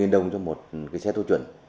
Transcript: một mươi đồng cho một xe thu chuẩn